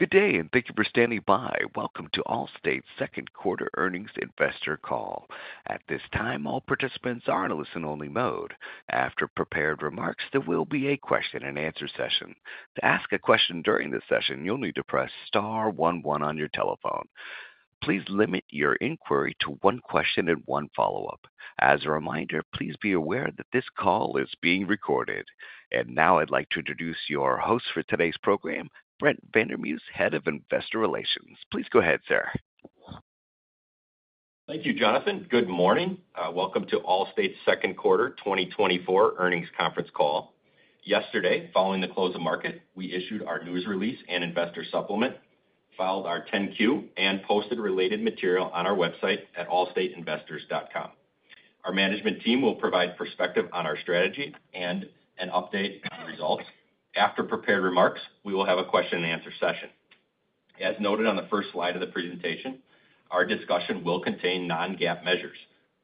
Good day, and thank you for standing by. Welcome to Allstate's Second Quarter Earnings Investor Call. At this time, all participants are in a listen-only mode. After prepared remarks, there will be a question-and-answer session. To ask a question during this session, you'll need to press star one one on your telephone. Please limit your inquiry to one question and one follow-up. As a reminder, please be aware that this call is being recorded. Now I'd like to introduce your host for today's program, Brent Vandermause, Head of Investor Relations. Please go ahead, sir. Thank you, Jonathan. Good morning. Welcome to Allstate's second quarter 2024 earnings conference call. Yesterday, following the close of market, we issued our news release and investor supplement, filed our 10-Q, and posted related material on our website at allstateinvestors.com. Our management team will provide perspective on our strategy and an update on results. After prepared remarks, we will have a question-and-answer session. As noted on the first slide of the presentation, our discussion will contain non-GAAP measures,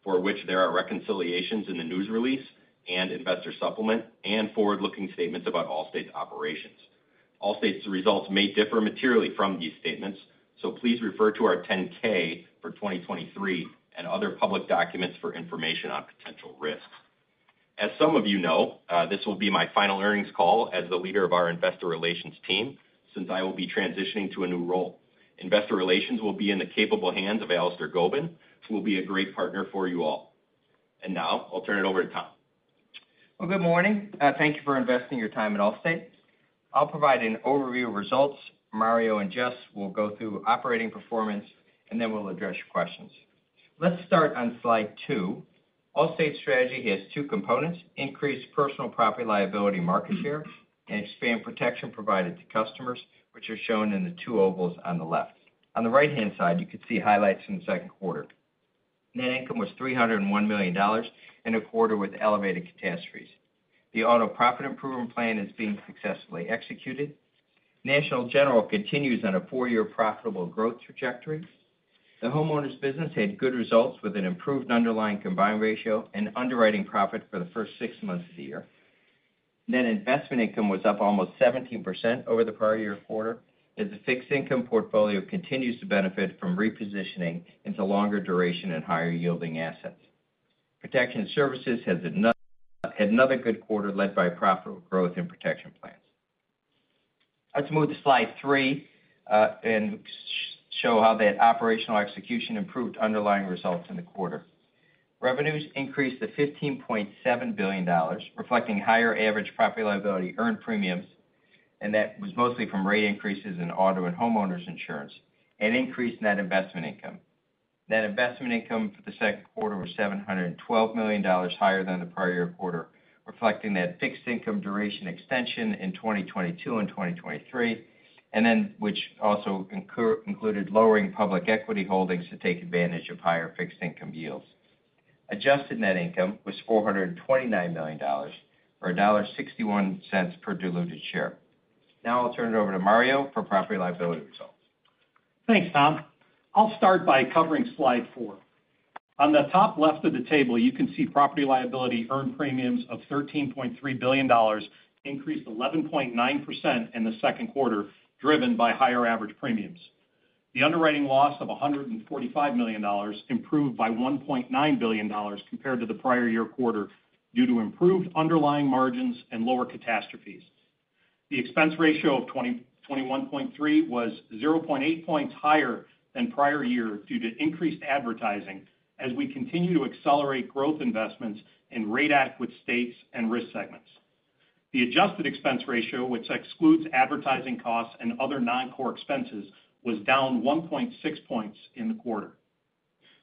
for which there are reconciliations in the news release and investor supplement and forward-looking statements about Allstate's operations. Allstate's results may differ materially from these statements, so please refer to our 10-K for 2023 and other public documents for information on potential risks. As some of you know, this will be my final earnings call as the leader of our investor relations team, since I will be transitioning to a new role. Investor relations will be in the capable hands of Alastair Gough, who will be a great partner for you all. Now I'll turn it over to Tom. Well, good morning. Thank you for investing your time at Allstate. I'll provide an overview of results, Mario and Jess will go through operating performance, and then we'll address your questions. Let's start on slide 2. Allstate's strategy has 2 components: increase personal Property-Liability market share and expand Protection provided to customers, which are shown in the 2 ovals on the left. On the right-hand side, you can see highlights from the second quarter. Net income was $301 million in a quarter with elevated catastrophes. The Auto Profit Improvement Plan is being successfully executed. National General continues on a 4-year profitable growth trajectory. The homeowners business had good results with an improved underlying combined ratio and underwriting profit for the first 6 months of the year. Net investment income was up almost 17% over the prior year quarter, as the fixed income portfolio continues to benefit from repositioning into longer duration and higher-yielding assets. Protection Services had another good quarter led by profitable growth in Protection Plans. Let's move to slide 3 and show how that operational execution improved underlying results in the quarter. Revenues increased to $15.7 billion, reflecting higher average Property-Liability earned premiums, and that was mostly from rate increases in auto and homeowners insurance, an increase in net investment income. Net investment income for the second quarter was $712 million higher than the prior year quarter, reflecting that fixed income duration extension in 2022 and 2023, and then which also included lowering public equity holdings to take advantage of higher fixed income yields. Adjusted net income was $429 million, or $1.61 per diluted share. Now I'll turn it over to Mario for property-liability results. Thanks, Tom. I'll start by covering slide 4. On the top left of the table, you can see Property-Liability earned premiums of $13.3 billion increased 11.9% in the second quarter, driven by higher average premiums. The underwriting loss of $145 million improved by $1.9 billion compared to the prior year quarter due to improved underlying margins and lower catastrophes. The expense ratio of 21.3 was 0.8 points higher than prior year due to increased advertising as we continue to accelerate growth investments in rate adequate states and risk segments. The adjusted expense ratio, which excludes advertising costs and other non-core expenses, was down 1.6 points in the quarter.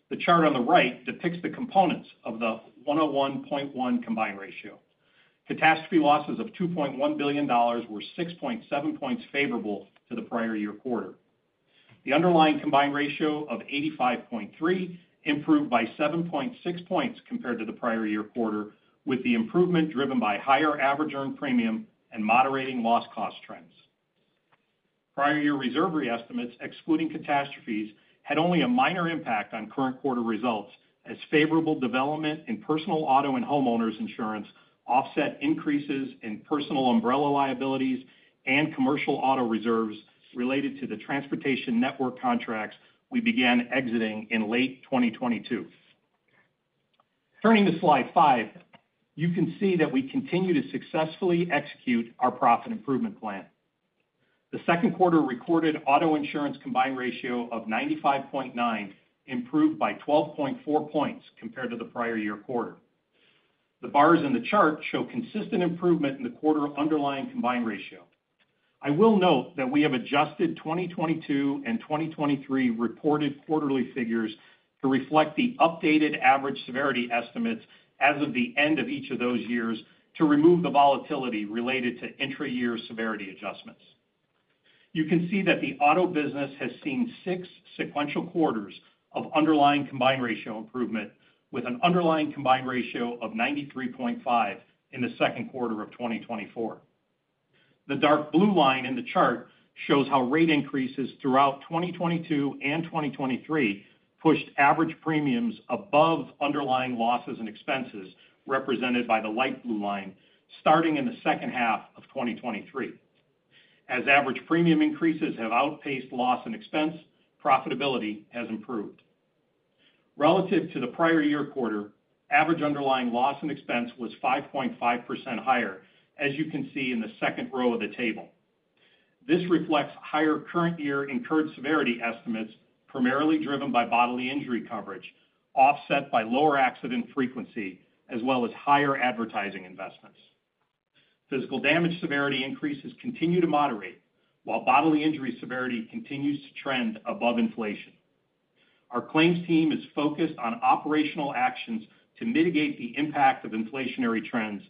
The chart on the right depicts the components of the 101.1 combined ratio. Catastrophe losses of $2.1 billion were 6.7 points favorable to the prior year quarter. The underlying combined ratio of 85.3 improved by 7.6 points compared to the prior year quarter, with the improvement driven by higher average earned premium and moderating loss cost trends. Prior year reserve re-estimates, excluding catastrophes, had only a minor impact on current quarter results, as favorable development in personal auto and homeowners insurance offset increases in personal umbrella liabilities and commercial auto reserves related to the transportation network contracts we began exiting in late 2022. Turning to slide 5, you can see that we continue to successfully execute our profit improvement plan. The second quarter recorded auto insurance combined ratio of 95.9, improved by 12.4 points compared to the prior year quarter. The bars in the chart show consistent improvement in the quarter underlying combined ratio. I will note that we have adjusted 2022 and 2023 reported quarterly figures to reflect the updated average severity estimates as of the end of each of those years, to remove the volatility related to intra-year severity adjustments. You can see that the auto business has seen six sequential quarters of underlying combined ratio improvement, with an underlying combined ratio of 93.5 in the second quarter of 2024. The dark blue line in the chart shows how rate increases throughout 2022 and 2023 pushed average premiums above underlying losses and expenses, represented by the light blue line, starting in the second half of 2023. As average premium increases have outpaced loss and expense, profitability has improved.... Relative to the prior year quarter, average underlying loss and expense was 5.5% higher, as you can see in the second row of the table. This reflects higher current year incurred severity estimates, primarily driven by bodily injury coverage, offset by lower accident frequency as well as higher advertising investments. Physical damage severity increases continue to moderate, while bodily injury severity continues to trend above inflation. Our claims team is focused on operational actions to mitigate the impact of inflationary trends,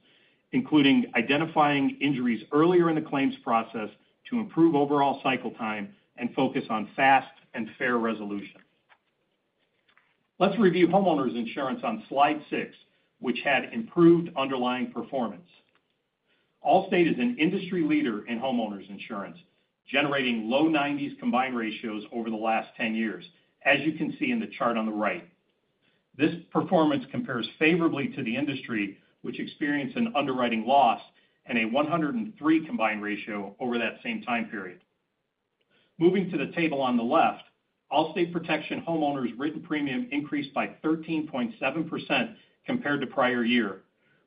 including identifying injuries earlier in the claims process to improve overall cycle time and focus on fast and fair resolution. Let's review homeowners insurance on slide 6, which had improved underlying performance. Allstate is an industry leader in homeowners insurance, generating low 90s combined ratios over the last 10 years, as you can see in the chart on the right. This performance compares favorably to the industry, which experienced an underwriting loss and a 103 combined ratio over that same time period. Moving to the table on the left, Allstate Protection Homeowners written premium increased by 13.7% compared to prior year,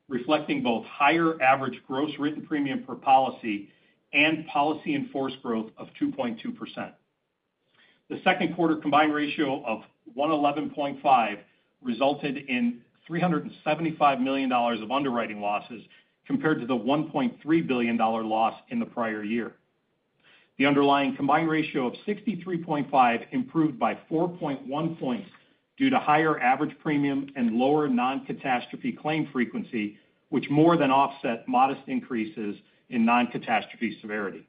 reflecting both higher average gross written premium per policy and policy in force growth of 2.2%. The second quarter combined ratio of 111.5 resulted in $375 million of underwriting losses, compared to the $1.3 billion loss in the prior year. The underlying combined ratio of 63.5 improved by 4.1 points due to higher average premium and lower non-catastrophe claim frequency, which more than offset modest increases in non-catastrophe severity.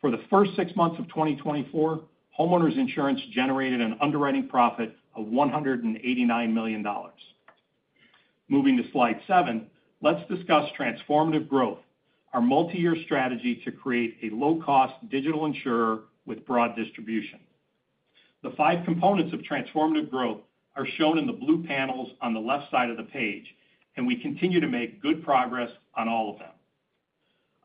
For the first six months of 2024, homeowners insurance generated an underwriting profit of $189 million. Moving to slide 7, let's discuss Transformative Growth, our multiyear strategy to create a low-cost digital insurer with broad distribution. The 5 components of Transformative Growth are shown in the blue panels on the left side of the page, and we continue to make good progress on all of them.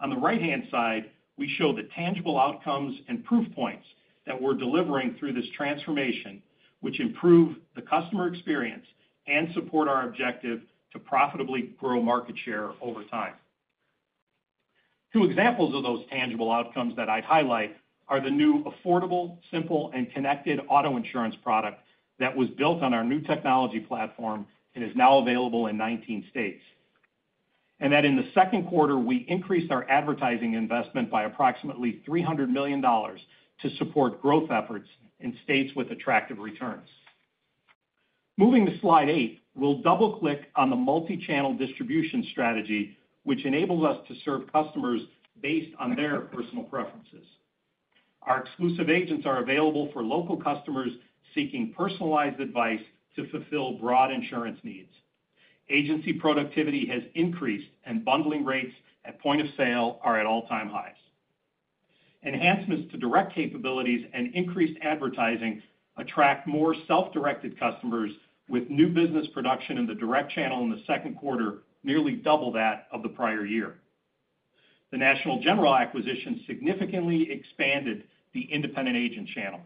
On the right-hand side, we show the tangible outcomes and proof points that we're delivering through this transformation, which improve the customer experience and support our objective to profitably grow market share over time. Two examples of those tangible outcomes that I'd highlight are the new affordable, simple, and connected auto insurance product that was built on our new technology platform and is now available in 19 states. That in the second quarter, we increased our advertising investment by approximately $300 million to support growth efforts in states with attractive returns. Moving to slide 8, we'll double-click on the multichannel distribution strategy, which enables us to serve customers based on their personal preferences. Our exclusive agents are available for local customers seeking personalized advice to fulfill broad insurance needs. Agency productivity has increased, and bundling rates at point of sale are at all-time highs. Enhancements to direct capabilities and increased advertising attract more self-directed customers, with new business production in the direct channel in the second quarter, nearly double that of the prior year. The National General acquisition significantly expanded the independent agent channel.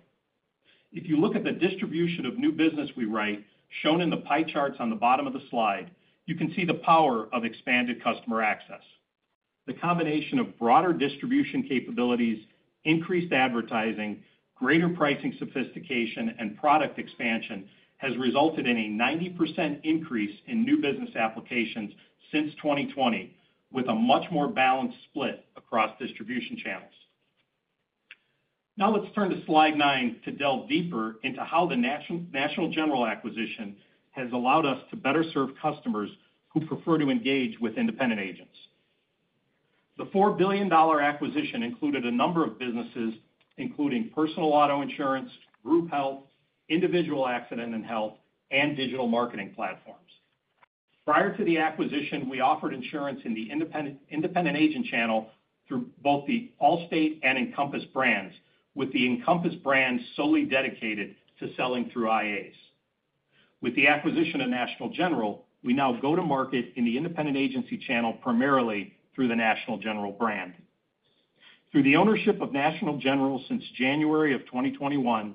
If you look at the distribution of new business we write, shown in the pie charts on the bottom of the slide, you can see the power of expanded customer access. The combination of broader distribution capabilities, increased advertising, greater pricing sophistication, and product expansion has resulted in a 90% increase in new business applications since 2020, with a much more balanced split across distribution channels. Now, let's turn to slide 9 to delve deeper into how the National General acquisition has allowed us to better serve customers who prefer to engage with independent agents. The $4 billion acquisition included a number of businesses, including personal auto insurance, group health, individual accident and health, and digital marketing platforms. Prior to the acquisition, we offered insurance in the independent agent channel through both the Allstate and Encompass brands, with the Encompass brand solely dedicated to selling through IAs. With the acquisition of National General, we now go to market in the independent agency channel, primarily through the National General brand. Through the ownership of National General since January 2021,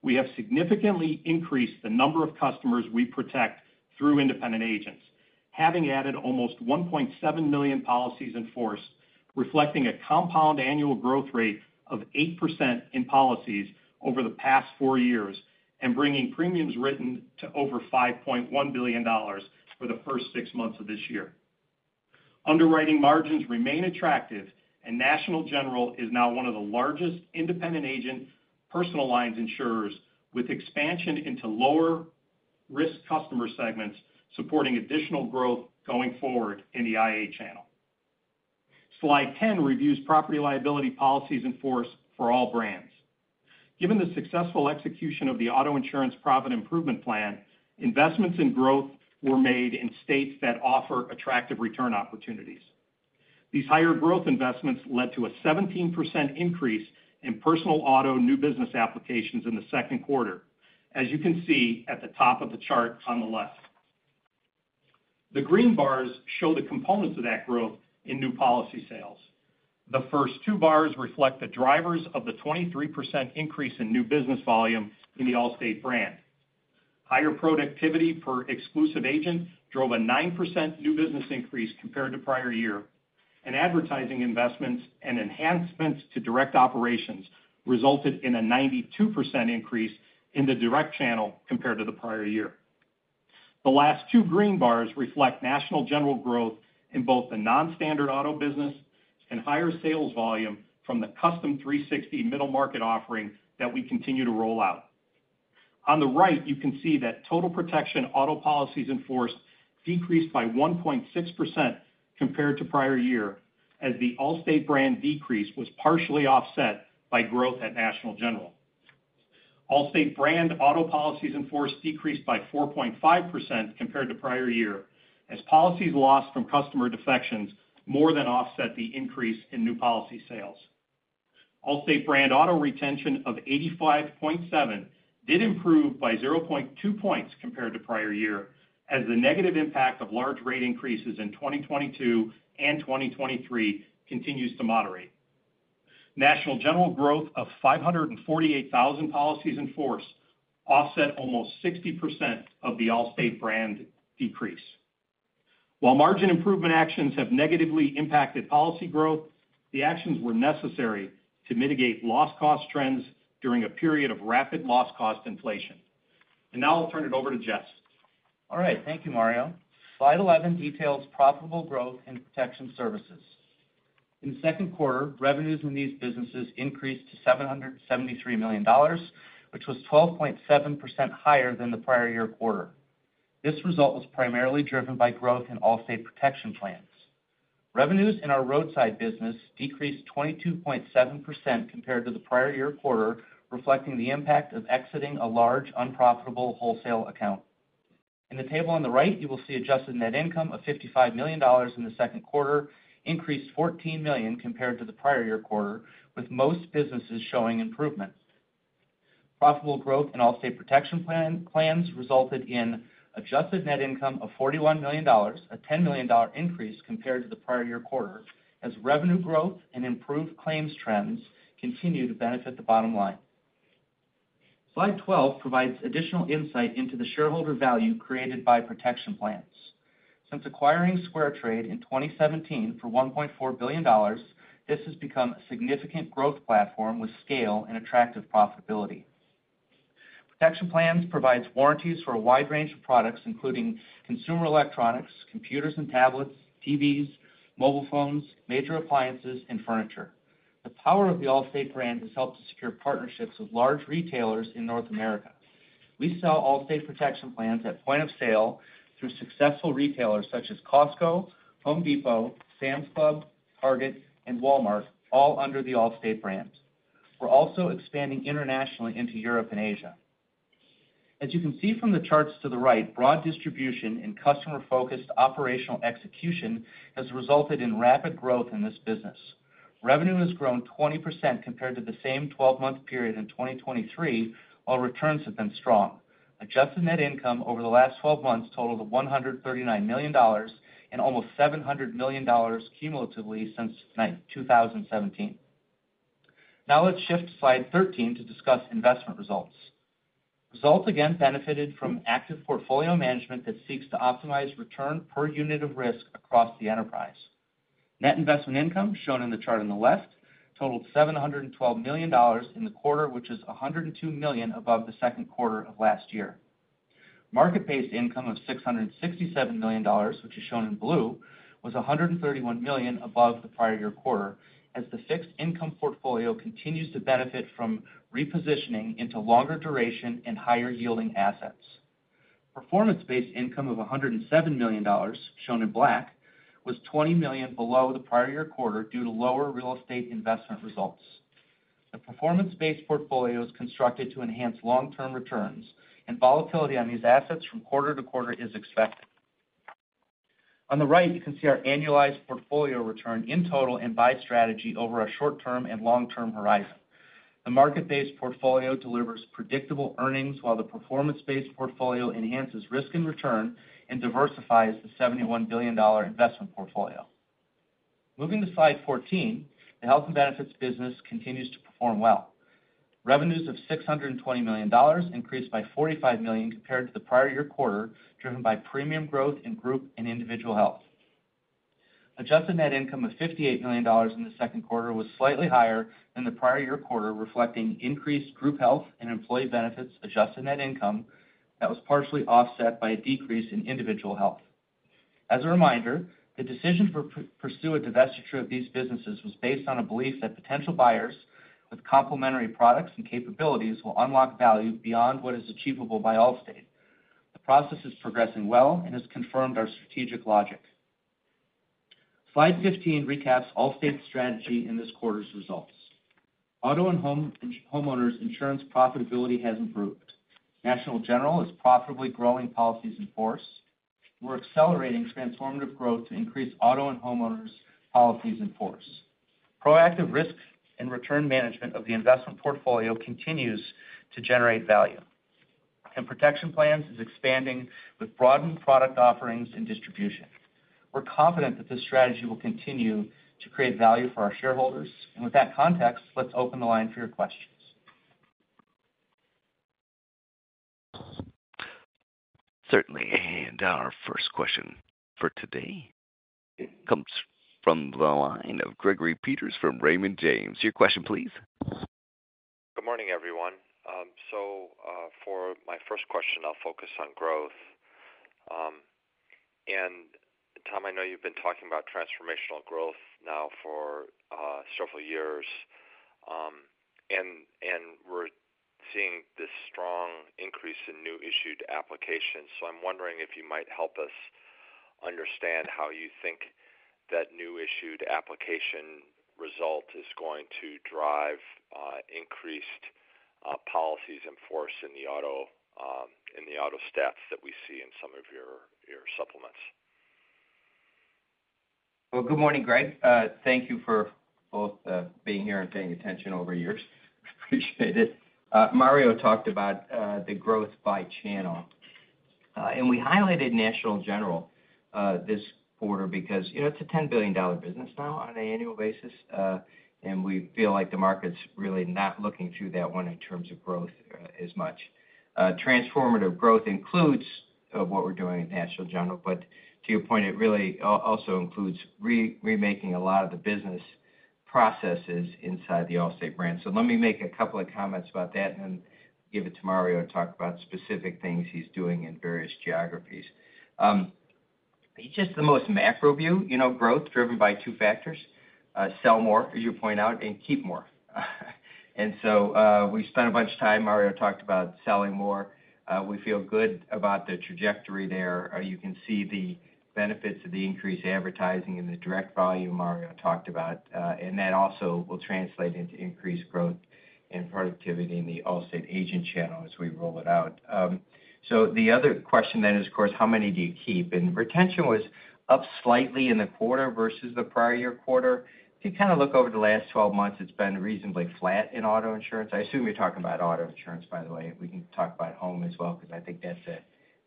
we have significantly increased the number of customers we protect through independent agents, having added almost 1.7 million policies in force, reflecting a compound annual growth rate of 8% in policies over the past 4 years and bringing premiums written to over $5.1 billion for the first 6 months of this year. Underwriting margins remain attractive, and National General is now one of the largest independent agent personal lines insurers, with expansion into lower-risk customer segments, supporting additional growth going forward in the IA channel. Slide 10 reviews Property-Liability policies in force for all brands. Given the successful execution of the Auto Profit Improvement Plan, investments in growth were made in states that offer attractive return opportunities. These higher growth investments led to a 17% increase in personal auto new business applications in the second quarter, as you can see at the top of the chart on the left. The green bars show the components of that growth in new policy sales. The first two bars reflect the drivers of the 23% increase in new business volume in the Allstate brand. Higher productivity per exclusive agent drove a 9% new business increase compared to prior year, and advertising investments and enhancements to direct operations resulted in a 92% increase in the direct channel compared to the prior year. The last two green bars reflect National General growth in both the non-standard auto business and higher sales volume from the Custom 360 middle market offering that we continue to roll out. On the right, you can see that Total Protection auto policies in force decreased by 1.6% compared to prior year, as the Allstate brand decrease was partially offset by growth at National General. Allstate brand auto policies in force decreased by 4.5% compared to prior year, as policies lost from customer defections more than offset the increase in new policy sales. Allstate brand auto retention of 85.7 did improve by 0.2 points compared to prior year, as the negative impact of large rate increases in 2022 and 2023 continues to moderate. National General growth of 548,000 policies in force offset almost 60% of the Allstate brand decrease. While margin improvement actions have negatively impacted policy growth, the actions were necessary to mitigate loss cost trends during a period of rapid loss cost inflation. Now I'll turn it over to Jess. All right. Thank you, Mario. Slide 11 details profitable growth in Protection Services. In the second quarter, revenues in these businesses increased to $773 million, which was 12.7% higher than the prior-year quarter. This result was primarily driven by growth in Allstate Protection Plans. Revenues in our roadside business decreased 22.7% compared to the prior-year quarter, reflecting the impact of exiting a large, unprofitable wholesale account. In the table on the right, you will see adjusted net income of $55 million in the second quarter increased $14 million compared to the prior-year quarter, with most businesses showing improvements. Profitable growth in Allstate Protection Plans resulted in adjusted net income of $41 million, a $10 million increase compared to the prior year quarter, as revenue growth and improved claims trends continue to benefit the bottom line. Slide 12 provides additional insight into the shareholder value created by Protection Plans. Since acquiring SquareTrade in 2017 for $1.4 billion, this has become a significant growth platform with scale and attractive profitability. Protection Plans provides warranties for a wide range of products, including consumer electronics, computers and tablets, TVs, mobile phones, major appliances, and furniture. The power of the Allstate brand has helped to secure partnerships with large retailers in North America. We sell Allstate Protection Plans at point of sale through successful retailers such as Costco, Home Depot, Sam's Club, Target, and Walmart, all under the Allstate brand. We're also expanding internationally into Europe and Asia. As you can see from the charts to the right, broad distribution and customer-focused operational execution has resulted in rapid growth in this business. Revenue has grown 20% compared to the same twelve-month period in 2023, while returns have been strong. Adjusted net income over the last twelve months totaled $139 million and almost $700 million cumulatively since 2017. Now let's shift to slide 13 to discuss investment results. Results again benefited from active portfolio management that seeks to optimize return per unit of risk across the enterprise. Net investment income, shown in the chart on the left, totaled $712 million in the quarter, which is $102 million above the second quarter of last year. Market-based income of $667 million, which is shown in blue, was $131 million above the prior year quarter, as the fixed income portfolio continues to benefit from repositioning into longer duration and higher-yielding assets. Performance-based income of $107 million, shown in black, was $20 million below the prior year quarter due to lower real estate investment results. The performance-based portfolio is constructed to enhance long-term returns, and volatility on these assets from quarter to quarter is expected. On the right, you can see our annualized portfolio return in total and by strategy over a short-term and long-term horizon. The market-based portfolio delivers predictable earnings, while the performance-based portfolio enhances risk and return and diversifies the $71 billion investment portfolio. Moving to slide 14, the Health and Benefits business continues to perform well. Revenues of $620 million increased by $45 million compared to the prior year quarter, driven by premium growth in group and individual health. Adjusted net income of $58 million in the second quarter was slightly higher than the prior year quarter, reflecting increased group health and employee benefits adjusted net income that was partially offset by a decrease in individual health. As a reminder, the decision to pursue a divestiture of these businesses was based on a belief that potential buyers with complementary products and capabilities will unlock value beyond what is achievable by Allstate. The process is progressing well and has confirmed our strategic logic. Slide 15 recaps Allstate's strategy in this quarter's results. Auto and homeowners insurance profitability has improved. National General is profitably growing policies in force. We're accelerating Transformative Growth to increase auto and homeowners policies in force.... proactive risk and return management of the investment portfolio continues to generate value, and Protection Plans is expanding with broadened product offerings and distribution. We're confident that this strategy will continue to create value for our shareholders. And with that context, let's open the line for your questions. Certainly. Our first question for today comes from the line of Gregory Peters from Raymond James. Your question, please. Good morning, everyone. So, for my first question, I'll focus on growth. And Tom, I know you've been talking about transformational growth now for several years, and, and we're seeing this strong increase in new issued applications. So I'm wondering if you might help us understand how you think that new issued application result is going to drive increased policies in force in the auto, in the auto stats that we see in some of your, your supplements. Well, good morning, Greg. Thank you for both being here and paying attention over years. Appreciate it. Mario talked about the growth by channel, and we highlighted National General this quarter because, you know, it's a $10 billion business now on an annual basis, and we feel like the market's really not looking through that one in terms of growth as much. Transformative Growth includes what we're doing at National General, but to your point, it really also includes remaking a lot of the business processes inside the Allstate brand. So let me make a couple of comments about that and give it to Mario to talk about specific things he's doing in various geographies. Just the most macro view, you know, growth driven by 2 factors, sell more, as you point out, and keep more. And so, we spent a bunch of time, Mario talked about selling more. We feel good about the trajectory there. You can see the benefits of the increased advertising and the direct volume Mario talked about, and that also will translate into increased growth and productivity in the Allstate agent channel as we roll it out. So the other question then is, of course, how many do you keep? And retention was up slightly in the quarter versus the prior year quarter. If you kind of look over the last 12 months, it's been reasonably flat in auto insurance. I assume you're talking about auto insurance, by the way. We can talk about home as well, because I think that's a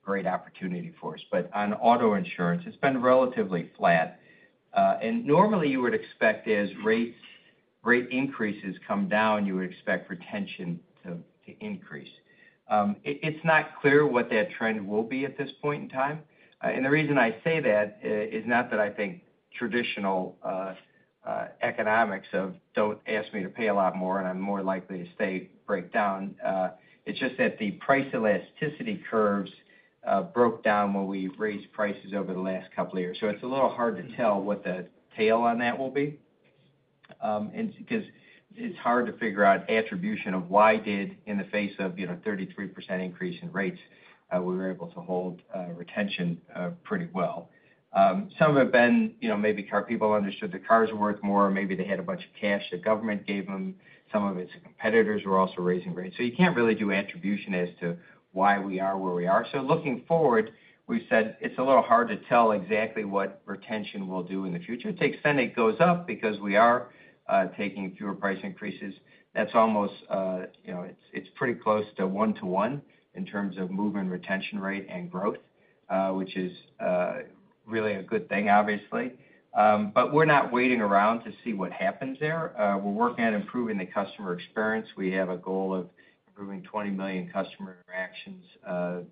great opportunity for us. But on auto insurance, it's been relatively flat. Normally, you would expect as rates, rate increases come down, you would expect retention to increase. It's not clear what that trend will be at this point in time. The reason I say that is not that I think traditional economics of don't ask me to pay a lot more and I'm more likely to stay, break down. It's just that the price elasticity curves broke down when we raised prices over the last couple of years. So it's a little hard to tell what the tail on that will be. And because it's hard to figure out attribution of why did, in the face of, you know, 33% increase in rates, we were able to hold, retention, pretty well. Some of it have been, you know, maybe people understood the car is worth more, or maybe they had a bunch of cash the government gave them. Some of it's competitors were also raising rates. So you can't really do attribution as to why we are where we are. So looking forward, we've said it's a little hard to tell exactly what retention will do in the future. It takes spend, it goes up because we are, taking fewer price increases. That's almost, you know, it's, it's pretty close to 1-to-1 in terms of movement, retention rate, and growth, which is, really a good thing, obviously. But we're not waiting around to see what happens there. We're working on improving the customer experience. We have a goal of improving 20 million customer interactions on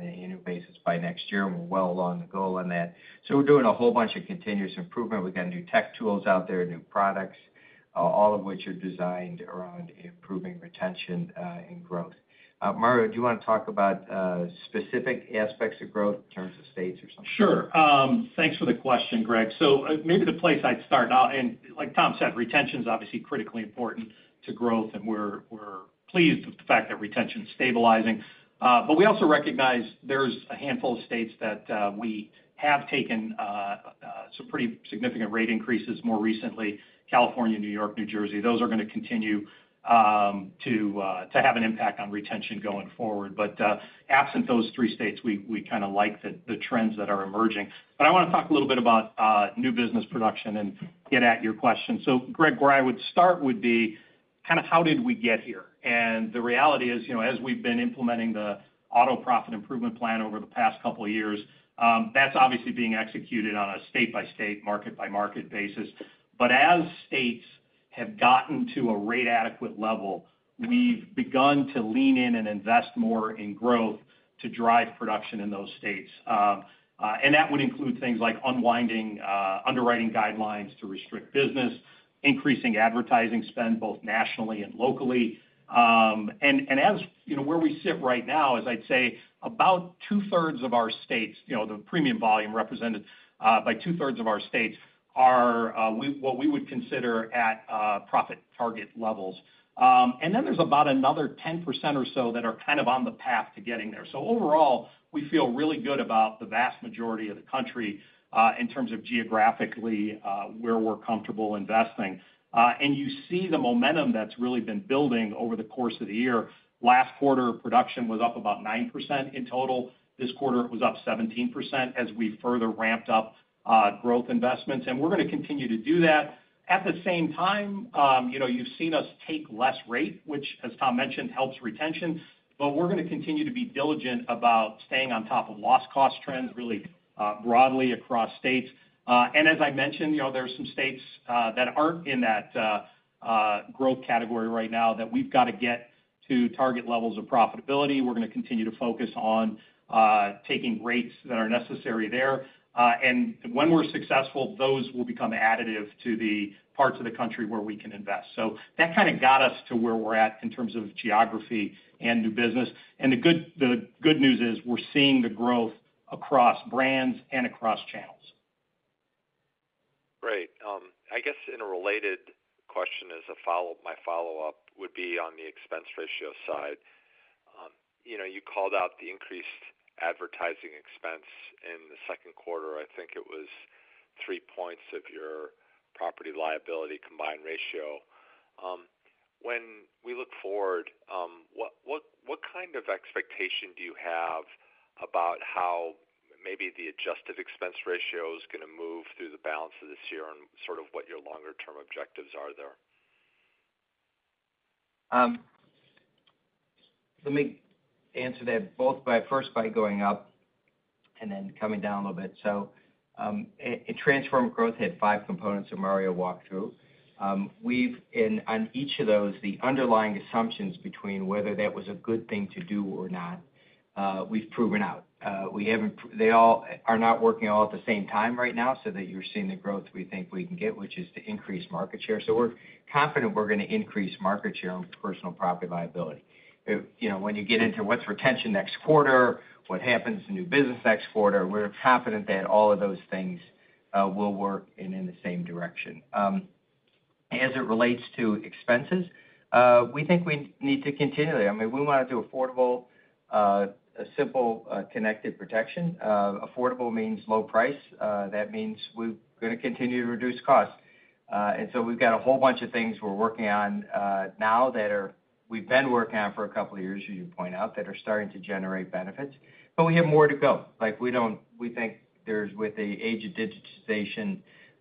an annual basis by next year, and we're well along the goal on that. So we're doing a whole bunch of continuous improvement. We've got new tech tools out there, new products, all of which are designed around improving retention and growth. Mario, do you want to talk about specific aspects of growth in terms of states or something? Sure. Thanks for the question, Greg. So, maybe the place I'd start now, and like Tom said, retention is obviously critically important to growth, and we're pleased with the fact that retention is stabilizing. But we also recognize there's a handful of states that we have taken some pretty significant rate increases more recently, California, New York, New Jersey. Those are gonna continue to have an impact on retention going forward. But, absent those three states, we kinda like the trends that are emerging. But I wanna talk a little bit about new business production and get at your question. So Greg, where I would start would be, kind of how did we get here? The reality is, you know, as we've been implementing the Auto Profit Improvement Plan over the past couple of years, that's obviously being executed on a state-by-state, market-by-market basis. But as states have gotten to a rate-adequate level, we've begun to lean in and invest more in growth to drive production in those states. And that would include things like unwinding underwriting guidelines to restrict business, increasing advertising spend, both nationally and locally. And as you know, where we sit right now, as I'd say, about two-thirds of our states, you know, the premium volume represented by two-thirds of our states are what we would consider at profit target levels. And then there's about another 10% or so that are kind of on the path to getting there. So overall, we feel really good about the vast majority of the country, in terms of geographically, where we're comfortable investing. And you see the momentum that's really been building over the course of the year. Last quarter, production was up about 9% in total. This quarter, it was up 17%, as we further ramped up growth investments, and we're going to continue to do that. At the same time, you know, you've seen us take less rate, which, as Tom mentioned, helps retention. But we're going to continue to be diligent about staying on top of loss cost trends really, broadly across states. And as I mentioned, you know, there are some states that aren't in that growth category right now that we've got to get to target levels of profitability. We're going to continue to focus on taking rates that are necessary there. And when we're successful, those will become additive to the parts of the country where we can invest. So that kind of got us to where we're at in terms of geography and new business. And the good, the good news is we're seeing the growth across brands and across channels. Great. I guess in a related question, as a follow-up, my follow-up would be on the expense ratio side. You know, you called out the increased advertising expense in the second quarter. I think it was 3 points of your property liability combined ratio. When we look forward, what kind of expectation do you have about how maybe the adjusted expense ratio is going to move through the balance of this year and sort of what your longer term objectives are there? Let me answer that both by, first by going up and then coming down a little bit. So, Transformative Growth had five components that Mario walked through. And on each of those, the underlying assumptions between whether that was a good thing to do or not, we've proven out. We haven't. They all are not working all at the same time right now, so that you're seeing the growth we think we can get, which is to increase market share. So we're confident we're going to increase market share on personal Property-Liability. You know, when you get into what's retention next quarter, what happens in new business next quarter, we're confident that all of those things will work and in the same direction. As it relates to expenses, we think we need to continue there. I mean, we want to do affordable, a simple, connected Protection. Affordable means low price, that means we're going to continue to reduce costs. And so we've got a whole bunch of things we're working on now that we've been working on for a couple of years, as you point out, that are starting to generate benefits, but we have more to go. Like, we don't—we think there's, with the age of digitization,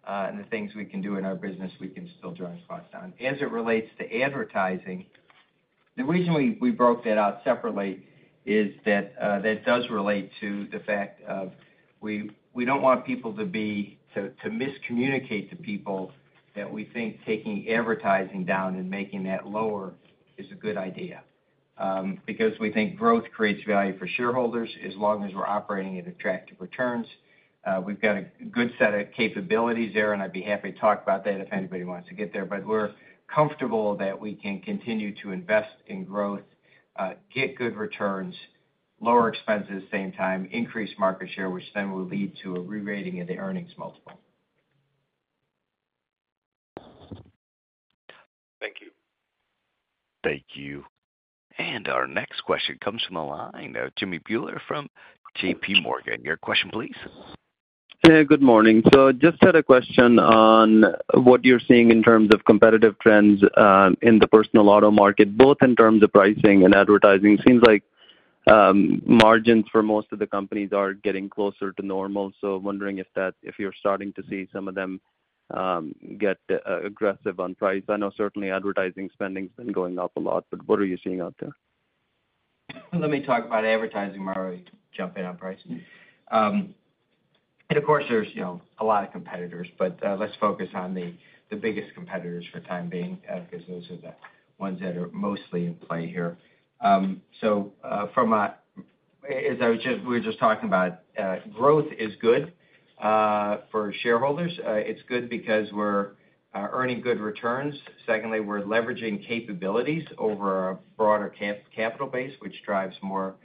and the things we can do in our business, we can still drive costs down. As it relates to advertising, the reason we broke that out separately is that that does relate to the fact that we don't want people to miscommunicate to people that we think taking advertising down and making that lower is a good idea, because we think growth creates value for shareholders as long as we're operating at attractive returns. We've got a good set of capabilities there, and I'd be happy to talk about that if anybody wants to get there. But we're comfortable that we can continue to invest in growth, get good returns, lower expenses at the same time, increase market share, which then will lead to a rerating of the earnings multiple. Thank you. Thank you. Our next question comes from the line of Jimmy Bhullar from J.P. Morgan. Your question, please. Hey, good morning. So just had a question on what you're seeing in terms of competitive trends in the personal auto market, both in terms of pricing and advertising. It seems like margins for most of the companies are getting closer to normal, so wondering if that—if you're starting to see some of them get aggressive on price. I know certainly advertising spending has been going up a lot, but what are you seeing out there? Let me talk about advertising, Mario, you can jump in on pricing. And of course, there's, you know, a lot of competitors, but let's focus on the biggest competitors for the time being, because those are the ones that are mostly in play here. So, as we were just talking about, growth is good for shareholders. It's good because we're earning good returns. Secondly, we're leveraging capabilities over a broader capital base, which drives more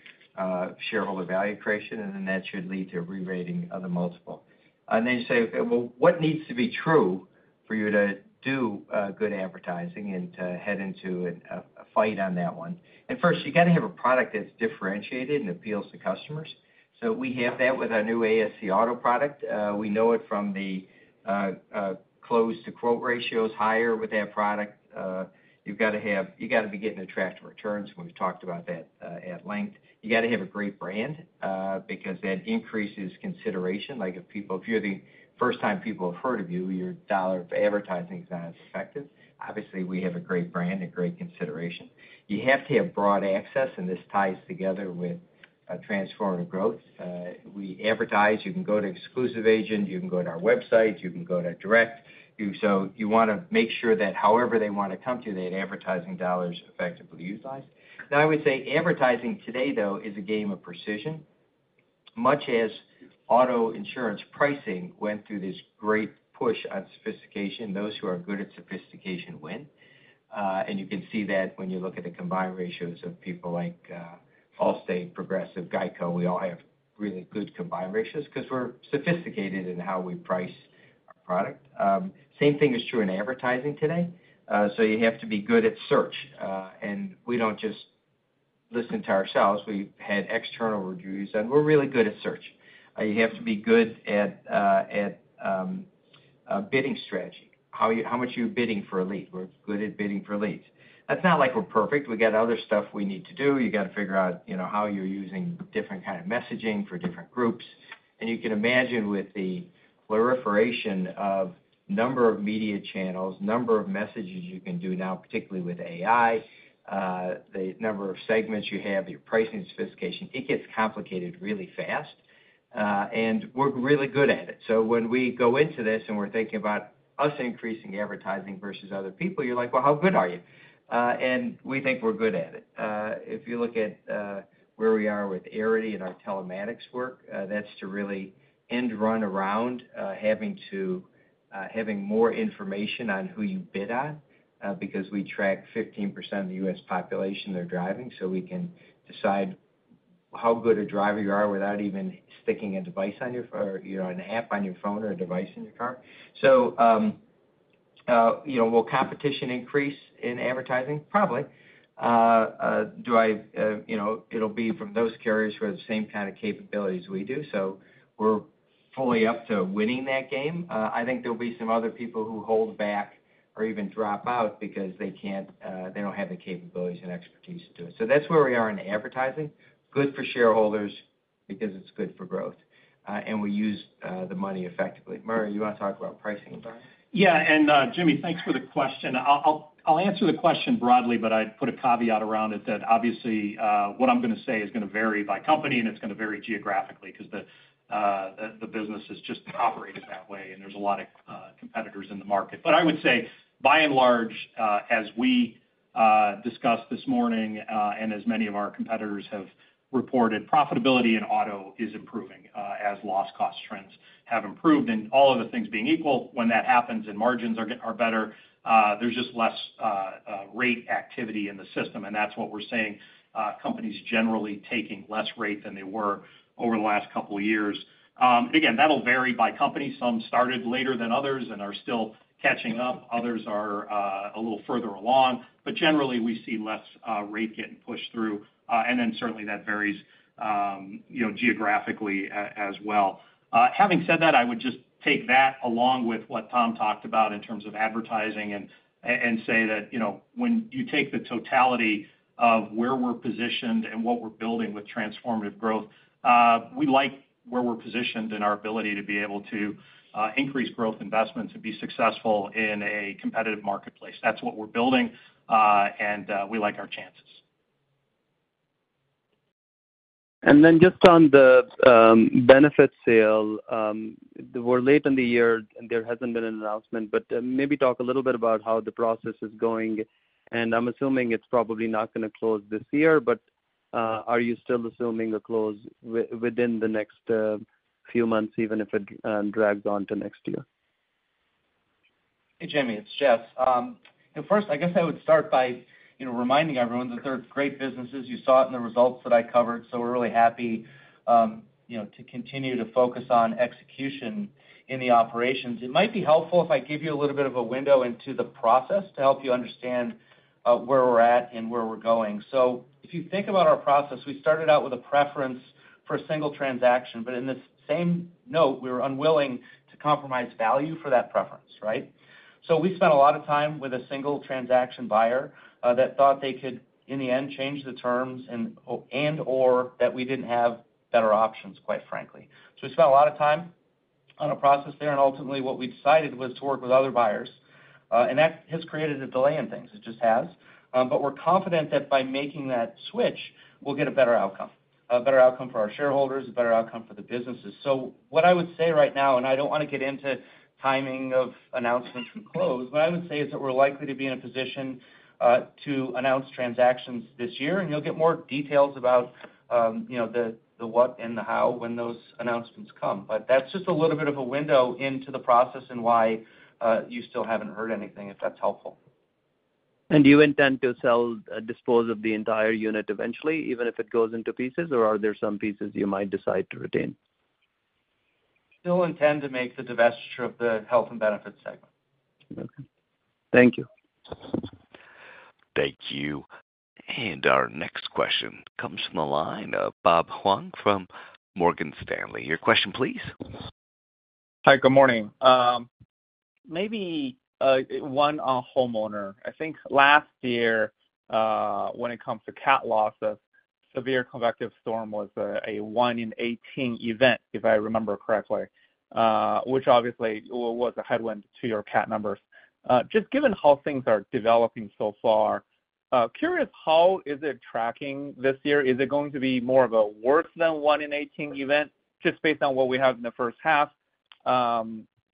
shareholder value creation, and then that should lead to a rerating of the multiple. And then you say, well, what needs to be true for you to do good advertising and to head into a fight on that one? And first, you got to have a product that's differentiated and appeals to customers. So we have that with our new ASC auto product. We know it from the close to quote ratios higher with that product. You've got to have—you got to be getting attractive returns, and we've talked about that at length. You got to have a great brand because that increases consideration. Like, if people—if you're the first time people have heard of you, your dollar for advertising is not as effective. Obviously, we have a great brand and great consideration. You have to have broad access, and this ties together with Transformative Growth. We advertise, you can go to exclusive agent, you can go to our website, you can go to direct. You so you want to make sure that however they want to come to you, that advertising dollar is effectively utilized. Now, I would say advertising today, though, is a game of precision. Much as auto insurance pricing went through this great push on sophistication, those who are good at sophistication win. And you can see that when you look at the combined ratios of people like Allstate, Progressive, GEICO, we all have really good combined ratios because we're sophisticated in how we price our product. Same thing is true in advertising today. So you have to be good at search, and we don't just listen to ourselves. We've had external reviews, and we're really good at search. You have to be good at bidding strategy, how you, how much you're bidding for a lead. We're good at bidding for leads. That's not like we're perfect. We got other stuff we need to do. You got to figure out, you know, how you're using different kind of messaging for different groups. And you can imagine with the proliferation of number of media channels, number of messages you can do now, particularly with AI, the number of segments you have, your pricing sophistication, it gets complicated really fast, and we're really good at it. So when we go into this, and we're thinking about us increasing advertising versus other people, you're like, "Well, how good are you?" and we think we're good at it. If you look at where we are with Arity and our telematics work, that's to really end run around having to having more information on who you bid on because we track 15% of the U.S. population that are driving, so we can decide how good a driver you are without even sticking a device on your, you know, an app on your phone or a device in your car. So, you know, will competition increase in advertising? Probably. You know, it'll be from those carriers who have the same kind of capabilities we do, so we're fully up to winning that game. I think there'll be some other people who hold back or even drop out because they can't they don't have the capabilities and expertise to do it. So that's where we are in advertising. Good for shareholders because it's good for growth, and we use the money effectively. Mario, you want to talk about pricing? Yeah, and, Jimmy, thanks for the question. I'll answer the question broadly, but I'd put a caveat around it that obviously what I'm going to say is going to vary by company, and it's going to vary geographically because the business is just operated that way, and there's a lot of competitors in the market. But I would say, by and large, as we discussed this morning, and as many of our competitors have reported, profitability in auto is improving as loss cost trends have improved. And all of the things being equal, when that happens and margins are better, there's just less rate activity in the system, and that's what we're seeing, companies generally taking less rate than they were over the last couple of years. Again, that'll vary by company. Some started later than others and are still catching up. Others are a little further along, but generally, we see less rate getting pushed through, and then certainly that varies, you know, geographically as well. Having said that, I would just take that along with what Tom talked about in terms of advertising and say that, you know, when you take the totality of where we're positioned and what we're building with Transformative Growth, we like where we're positioned and our ability to be able to increase growth investments and be successful in a competitive marketplace. That's what we're building, and we like our chances. And then just on the benefit sale, we're late in the year, and there hasn't been an announcement, but maybe talk a little bit about how the process is going. And I'm assuming it's probably not going to close this year, but are you still assuming a close within the next few months, even if it drags on to next year? Hey, Jimmy, it's Jess. And first, I guess I would start by, you know, reminding everyone that there are great businesses. You saw it in the results that I covered, so we're really happy, you know, to continue to focus on execution in the operations. It might be helpful if I give you a little bit of a window into the process to help you understand where we're at and where we're going. So if you think about our process, we started out with a preference for a single transaction, but in the same note, we were unwilling to compromise value for that preference, right? So we spent a lot of time with a single transaction buyer that thought they could, in the end, change the terms and/or that we didn't have better options, quite frankly. So we spent a lot of time on a process there, and ultimately, what we decided was to work with other buyers, and that has created a delay in things. It just has. But we're confident that by making that switch, we'll get a better outcome, a better outcome for our shareholders, a better outcome for the businesses. So what I would say right now, and I don't want to get into timing of announcements from close, what I would say is that we're likely to be in a position, to announce transactions this year, and you'll get more details about, you know, the what and the how when those announcements come. But that's just a little bit of a window into the process and why, you still haven't heard anything, if that's helpful. Do you intend to sell, dispose of the entire unit eventually, even if it goes into pieces, or are there some pieces you might decide to retain? Still intend to make the divestiture of the Health and Benefits segment. Okay. Thank you. Thank you. And our next question comes from the line of Bob Huang from Morgan Stanley. Your question, please. Hi, good morning. Maybe one on homeowner. I think last year, when it comes to cat losses, severe convective storm was a 1 in 18 event, if I remember correctly, which obviously was a headwind to your cat numbers. Just given how things are developing so far, curious, how is it tracking this year? Is it going to be more of a worse than 1 in 18 event, just based on what we have in the first half?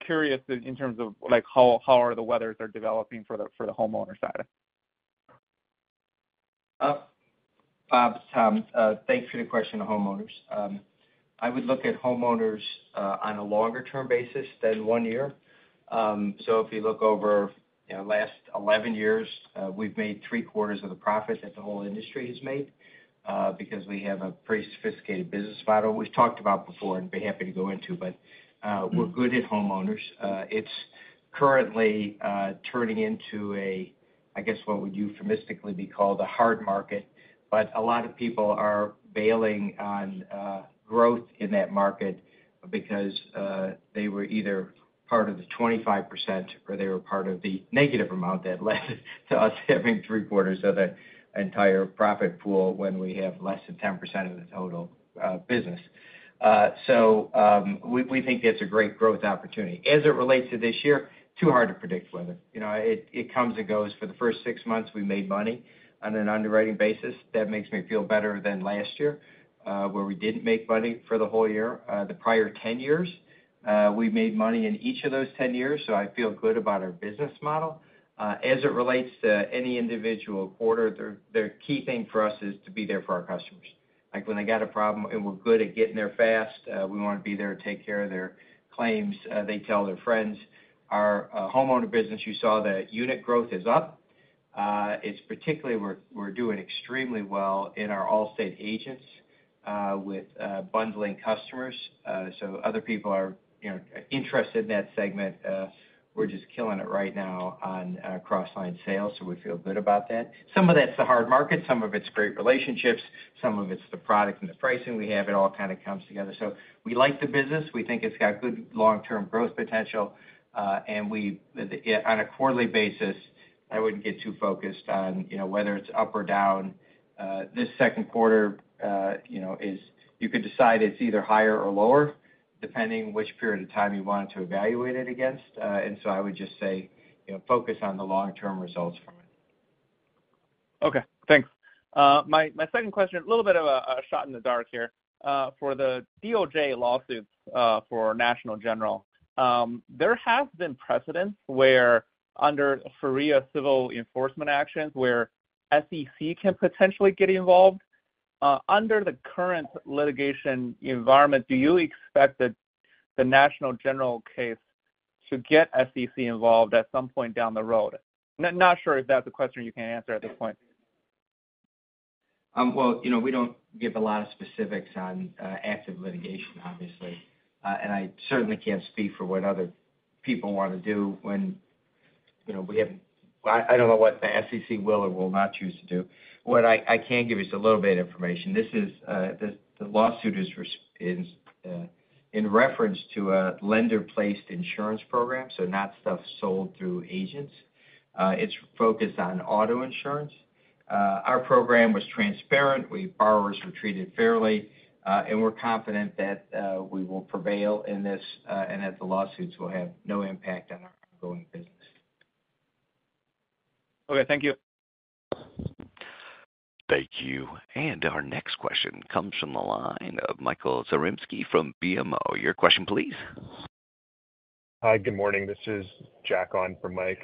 Curious in terms of like, how the weather is developing for the homeowner side? Bob, Tom, thanks for the question on homeowners. I would look at homeowners on a longer-term basis than one year. So if you look over, you know, last 11 years, we've made three-quarters of the profit that the whole industry has made, because we have a pretty sophisticated business model. We've talked about before and be happy to go into, but, we're good at homeowners. It's currently turning into a, I guess, what would euphemistically be called a hard market. But a lot of people are bailing on growth in that market because they were either part of the 25% or they were part of the negative amount that led to us having three-quarters of the entire profit pool when we have less than 10% of the total business. So, we think it's a great growth opportunity. As it relates to this year, too hard to predict weather. You know, it comes and goes. For the first six months, we made money on an underwriting basis. That makes me feel better than last year, where we didn't make money for the whole year. The prior 10 years, we made money in each of those 10 years, so I feel good about our business model. As it relates to any individual quarter, the key thing for us is to be there for our customers. Like, when they got a problem and we're good at getting there fast, we wanna be there to take care of their claims, they tell their friends. Our homeowner business, you saw that unit growth is up. It's particularly we're doing extremely well in our Allstate agents with bundling customers. So other people are, you know, interested in that segment. We're just killing it right now on cross-line sales, so we feel good about that. Some of that's the hard market, some of it's great relationships, some of it's the product and the pricing we have. It all kind of comes together. So we like the business. We think it's got good long-term growth potential, and on a quarterly basis, I wouldn't get too focused on, you know, whether it's up or down. This second quarter, you know, is... You could decide it's either higher or lower, depending which period of time you want to evaluate it against. And so I would just say, you know, focus on the long-term results from it. Okay, thanks. My second question, a little bit of a shot in the dark here. For the DOJ lawsuits for National General, there have been precedents where under FCPA civil enforcement actions, where SEC can potentially get involved. Under the current litigation environment, do you expect that the National General case to get SEC involved at some point down the road? Not sure if that's a question you can answer at this point. Well, you know, we don't give a lot of specifics on active litigation, obviously. And I certainly can't speak for what other people want to do when, you know, we have, I don't know what the SEC will or will not choose to do. What I can give you is a little bit of information. This is the lawsuit is in reference to a lender-placed insurance program, so not stuff sold through agents. It's focused on auto insurance. Our program was transparent, we... Borrowers were treated fairly, and we're confident that we will prevail in this, and that the lawsuits will have no impact on our ongoing business. Okay, thank you. Thank you. And our next question comes from the line of Michael Zaremski from BMO. Your question please. Hi, good morning. This is Jack on for Mike.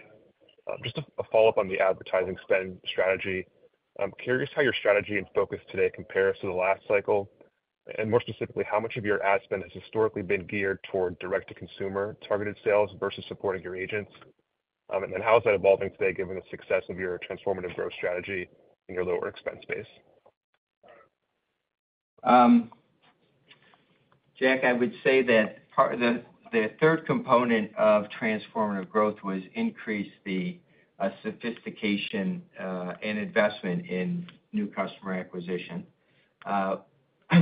Just a follow-up on the advertising spend strategy. I'm curious how your strategy and focus today compares to the last cycle? And more specifically, how much of your ad spend has historically been geared toward direct-to-consumer targeted sales versus supporting your agents? And then how is that evolving today, given the success of your Transformative Growth strategy and your lower expense base? Jack, I would say that part. The third component of Transformative Growth was increase the sophistication and investment in new customer acquisition.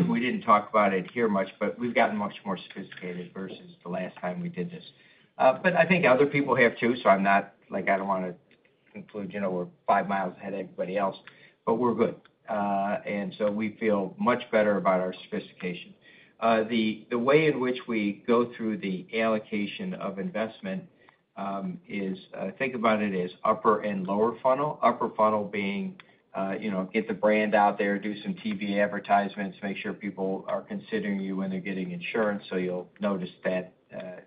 We didn't talk about it here much, but we've gotten much more sophisticated versus the last time we did this. But I think other people have, too, so I'm not—like, I don't wanna conclude, you know, we're five miles ahead of everybody else, but we're good. And so we feel much better about our sophistication. The way in which we go through the allocation of investment is think about it as upper and lower funnel. Upper funnel being you know, get the brand out there, do some TV advertisements, make sure people are considering you when they're getting insurance, so you'll notice that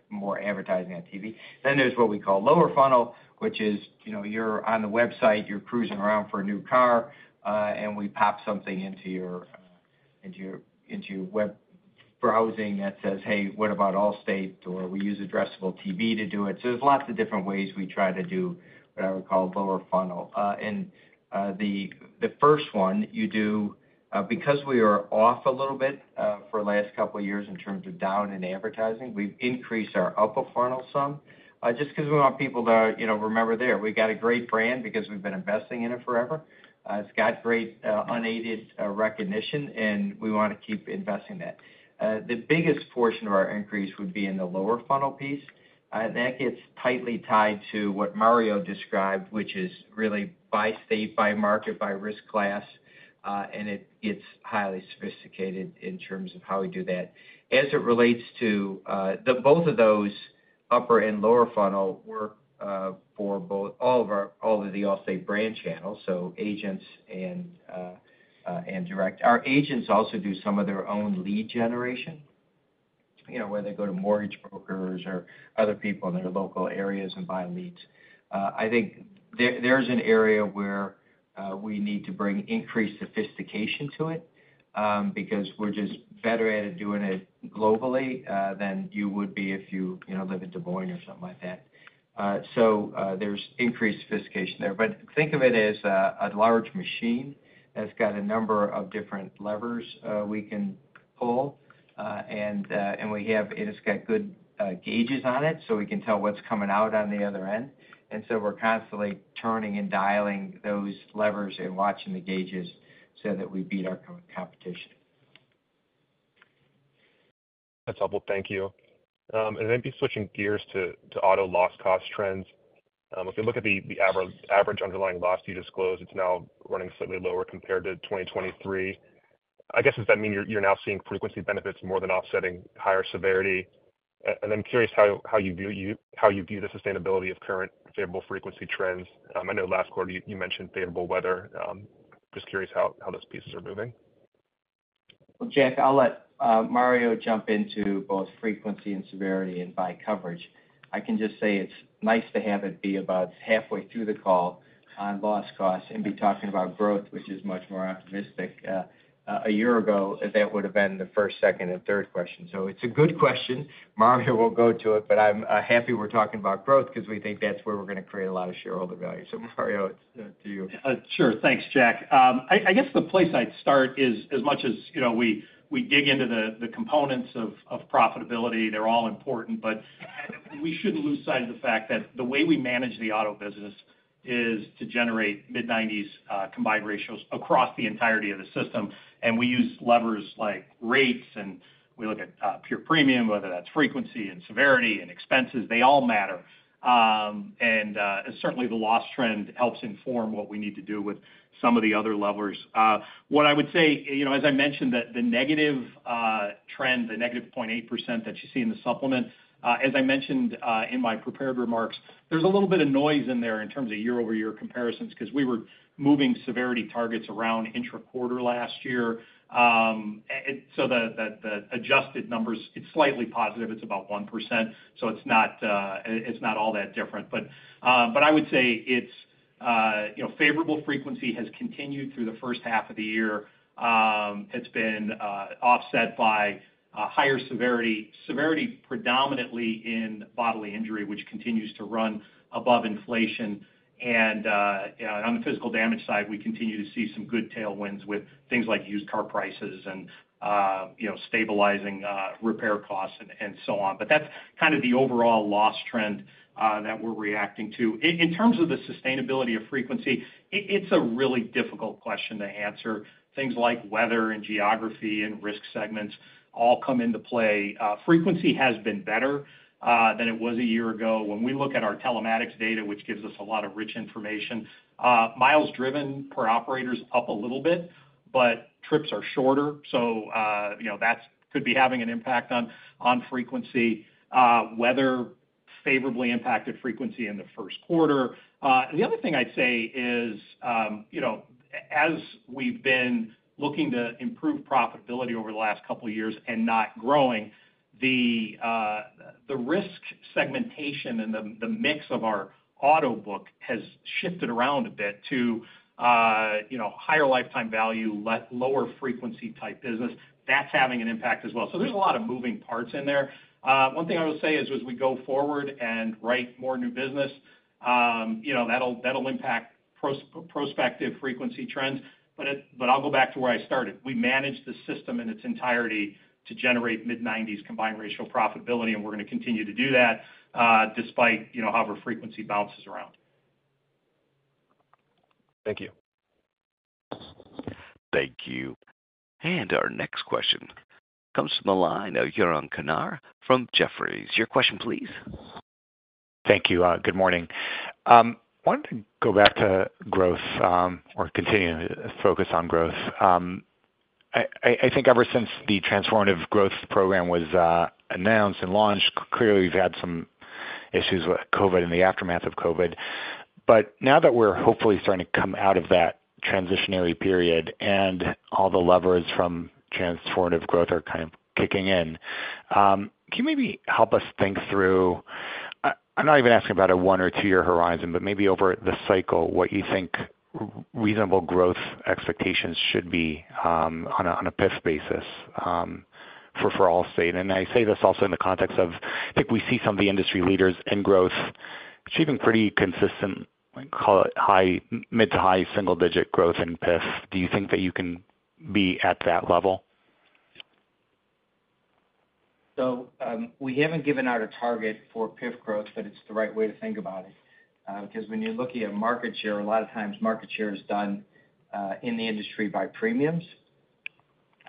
more advertising on TV. Then there's what we call lower funnel, which is, you know, you're on the website, you're cruising around for a new car, and we pop something into your web browsing that says, "Hey, what about Allstate?" Or we use addressable TV to do it. So there's lots of different ways we try to do what I would call lower funnel. And the first one you do, because we are off a little bit for the last couple of years in terms of down in advertising, we've increased our upper funnel some, just because we want people to, you know, remember there. We got a great brand because we've been investing in it forever. It's got great unaided recognition, and we wanna keep investing that. The biggest portion of our increase would be in the lower funnel piece. That gets tightly tied to what Mario described, which is really by state, by market, by risk class, and it gets highly sophisticated in terms of how we do that. As it relates to the both of those, upper and lower funnel, work, for both all of our- all of the Allstate brand channels, so agents and direct. Our agents also do some of their own lead generation, you know, where they go to mortgage brokers or other people in their local areas and buy leads. I think there's an area where we need to bring increased sophistication to it, because we're just better at doing it globally, than you would be if you, you know, live in Des Moines or something like that. So, there's increased sophistication there. But think of it as a large machine that's got a number of different levers we can pull, and we have, it's got good gauges on it, so we can tell what's coming out on the other end. And so we're constantly turning and dialing those levers and watching the gauges so that we beat our competition. That's helpful. Thank you. And then by switching gears to auto loss cost trends. If you look at the average underlying loss you disclosed, it's now running slightly lower compared to 2023. I guess, does that mean you're now seeing frequency benefits more than offsetting higher severity? And I'm curious how you view the sustainability of current favorable frequency trends. I know last quarter you mentioned favorable weather. Just curious how those pieces are moving. Well, Jack, I'll let Mario jump into both frequency and severity and by coverage. I can just say it's nice to have it be about halfway through the call on loss costs and be talking about growth, which is much more optimistic. A year ago, that would have been the first, second, and third question. So it's a good question. Mario will go to it, but I'm happy we're talking about growth because we think that's where we're going to create a lot of shareholder value. So Mario, it's to you. Sure. Thanks, Jack. I guess the place I'd start is as much as, you know, we dig into the components of profitability, they're all important, but we shouldn't lose sight of the fact that the way we manage the auto business is to generate mid-90s combined ratios across the entirety of the system. And we use levers like rates, and we look at pure premium, whether that's frequency and severity and expenses. They all matter. And certainly, the loss trend helps inform what we need to do with some of the other levers. What I would say, you know, as I mentioned, that the negative trend, the negative 0.8% that you see in the supplement, as I mentioned, in my prepared remarks, there's a little bit of noise in there in terms of year-over-year comparisons, because we were moving severity targets around intra-quarter last year. And so the adjusted numbers, it's slightly positive, it's about 1%, so it's not all that different. But I would say it's, you know, favorable frequency has continued through the first half of the year. It's been offset by higher severity, severity predominantly in bodily injury, which continues to run above inflation. And, you know, on the physical damage side, we continue to see some good tailwinds with things like used car prices and, you know, stabilizing repair costs and so on. But that's kind of the overall loss trend that we're reacting to. In terms of the sustainability of frequency, it's a really difficult question to answer. Things like weather and geography and risk segments all come into play. Frequency has been better than it was a year ago. When we look at our telematics data, which gives us a lot of rich information, miles driven per operator is up a little bit, but trips are shorter. So, you know, that's could be having an impact on frequency. Weather favorably impacted frequency in the first quarter. The other thing I'd say is, you know, as we've been looking to improve profitability over the last couple of years and not growing, the risk segmentation and the mix of our auto book has shifted around a bit to, you know, higher lifetime value, lower frequency type business. That's having an impact as well. So there's a lot of moving parts in there. One thing I will say is, as we go forward and write more new business, you know, that'll impact prospective frequency trends. But I'll go back to where I started. We manage the system in its entirety to generate mid-nineties combined ratio profitability, and we're going to continue to do that, despite, you know, however frequency bounces around. Thank you. Thank you. Our next question comes from the line of Yaron Kinar from Jefferies. Your question, please. Thank you. Good morning. I wanted to go back to growth, or continue to focus on growth. I think ever since the Transformative Growth program was announced and launched, clearly, we've had some issues with COVID and the aftermath of COVID. But now that we're hopefully starting to come out of that transitionary period and all the levers from Transformative Growth are kind of kicking in, can you maybe help us think through... I'm not even asking about a 1- or 2-year horizon, but maybe over the cycle, what you think reasonable growth expectations should be, on a PIF basis, for Allstate? And I say this also in the context of, I think we see some of the industry leaders in growth achieving pretty consistent, call it mid- to high-single-digit growth in PIF. Do you think that you can be at that level? So, we haven't given out a target for PIF growth, but it's the right way to think about it. Because when you're looking at market share, a lot of times market share is done in the industry by premiums.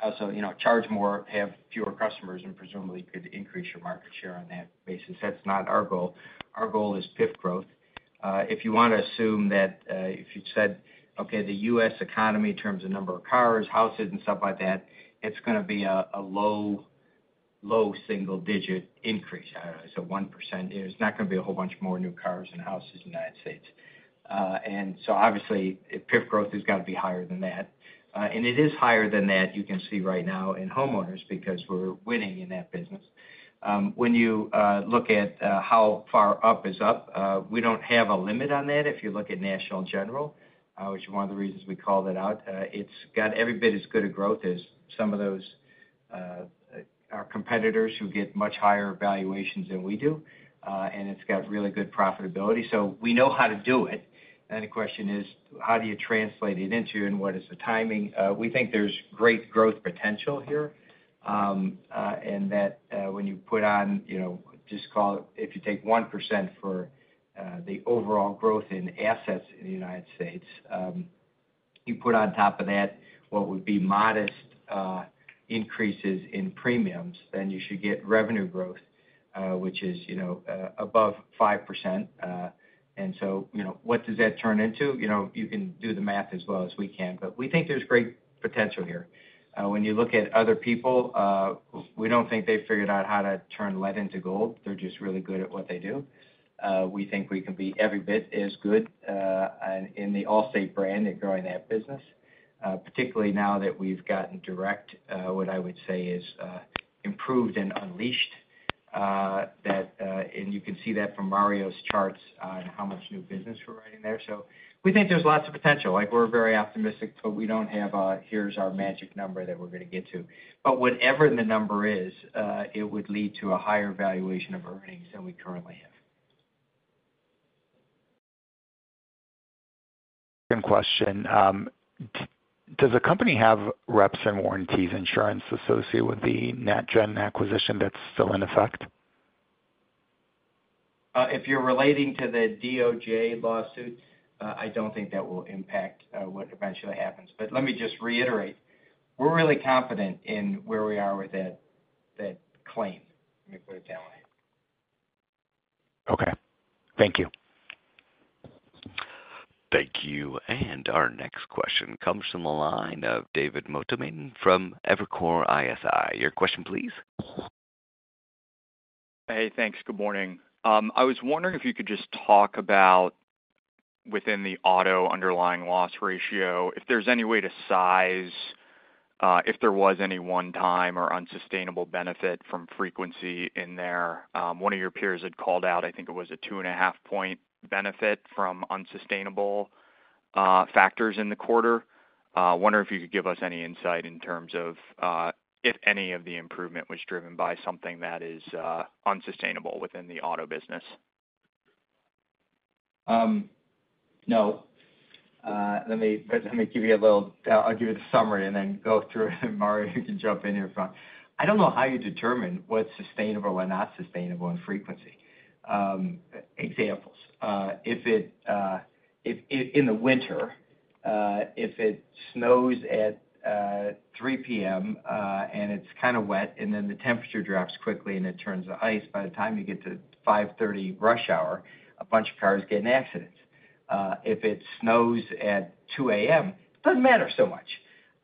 Also, you know, charge more, have fewer customers, and presumably could increase your market share on that basis. That's not our goal. Our goal is PIF growth. If you want to assume that, if you said, okay, the US economy, in terms of number of cars, houses, and stuff like that, it's going to be a low, low single digit increase. So 1%, there's not going to be a whole bunch more new cars and houses in the United States. And so obviously, PIF growth has got to be higher than that. And it is higher than that. You can see right now in homeowners because we're winning in that business. When you look at how far up is up, we don't have a limit on that. If you look at National General, which is one of the reasons we called it out, it's got every bit as good a growth as some of those our competitors who get much higher valuations than we do, and it's got really good profitability. So we know how to do it. Then the question is: How do you translate it into and what is the timing? We think there's great growth potential here.... And that, when you put on, you know, just call it, if you take 1% for the overall growth in assets in the United States, you put on top of that what would be modest increases in premiums, then you should get revenue growth, which is, you know, above 5%. And so, you know, what does that turn into? You know, you can do the math as well as we can, but we think there's great potential here. When you look at other people, we don't think they've figured out how to turn lead into gold. They're just really good at what they do. We think we can be every bit as good, and in the Allstate brand at growing that business, particularly now that we've gotten direct, what I would say is, improved and unleashed. That, and you can see that from Mario's charts, on how much new business we're writing there. So we think there's lots of potential. Like, we're very optimistic, but we don't have a, "Here's our magic number that we're gonna get to." But whatever the number is, it would lead to a higher valuation of our earnings than we currently have. Second question. Does the company have reps and warranties insurance associated with the NatGen acquisition that's still in effect? If you're relating to the DOJ lawsuit, I don't think that will impact what eventually happens. But let me just reiterate, we're really confident in where we are with that, that claim, let me put it that way. Okay. Thank you. Thank you, and our next question comes from the line of David Motemaden from Evercore ISI. Your question, please. Hey, thanks. Good morning. I was wondering if you could just talk about within the auto underlying loss ratio, if there's any way to size, if there was any one time or unsustainable benefit from frequency in there. One of your peers had called out, I think it was a 2.5-point benefit from unsustainable, factors in the quarter. Wondering if you could give us any insight in terms of, if any of the improvement was driven by something that is, unsustainable within the auto business. No. Let me give you a little—I'll give you the summary and then go through and Mario, you can jump in here front. I don't know how you determine what's sustainable or not sustainable in frequency. Examples, if in the winter, if it snows at 3:00 P.M., and it's kind of wet, and then the temperature drops quickly, and it turns to ice, by the time you get to 5:30 P.M. rush hour, a bunch of cars get in accidents. If it snows at 2:00 A.M., it doesn't matter so much.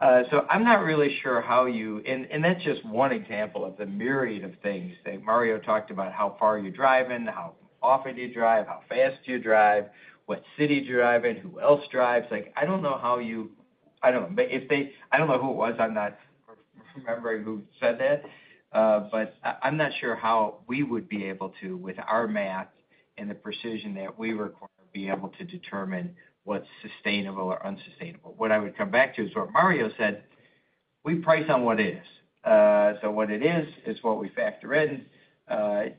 So I'm not really sure how you... And that's just one example of the myriad of things that Mario talked about, how far you're driving, how often you drive, how fast you drive, what city you drive in, who else drives. Like, I don't know how you—I don't know. But if they—I don't know who it was, I'm not remembering who said that, but I, I'm not sure how we would be able to, with our math and the precision that we require, be able to determine what's sustainable or unsustainable. What I would come back to is what Mario said, we price on what is. So what it is, is what we factor in.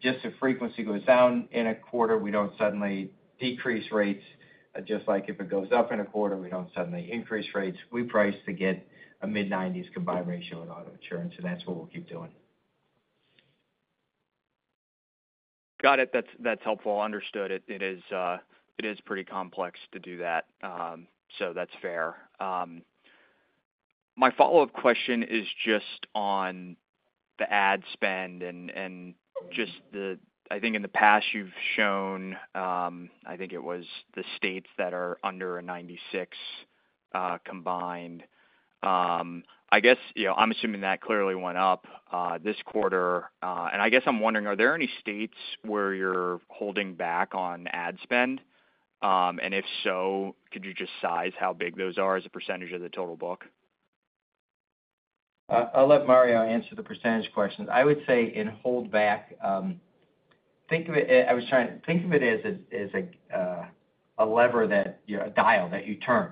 Just the frequency goes down in a quarter, we don't suddenly decrease rates, just like if it goes up in a quarter, we don't suddenly increase rates. We price to get a mid-90s combined ratio in auto insurance, and that's what we'll keep doing. Got it. That's, that's helpful. Understood. It, it is, it is pretty complex to do that, so that's fair. My follow-up question is just on the ad spend and, and just the-- I think in the past you've shown, I think it was the states that are under a 96, combined. I guess, you know, I'm assuming that clearly went up, this quarter. And I guess I'm wondering, are there any states where you're holding back on ad spend? And if so, could you just size how big those are as a percentage of the total book? I'll let Mario answer the percentage question. I would say in hold back, think of it as a lever that, you know, a dial that you turn.